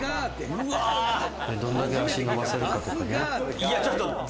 どんだけ足、伸ばせるかとかね。